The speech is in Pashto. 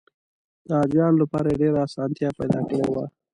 د حاجیانو لپاره یې ډېره اسانتیا پیدا کړې وه.